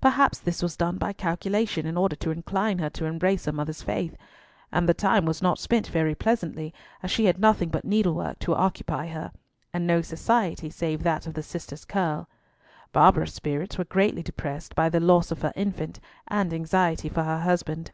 Perhaps this was done by calculation, in order to incline her to embrace her mother's faith; and the time was not spent very pleasantly, as she had nothing but needlework to occupy her, and no society save that of the sisters Curll. Barbara's spirits were greatly depressed by the loss of her infant and anxiety for her husband.